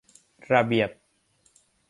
ระเบียบ